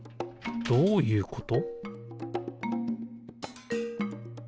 どういうこと？